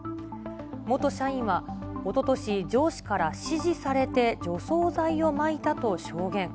元社員はおととし、上司から指示されて除草剤をまいたと証言。